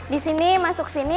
di sini masuk sini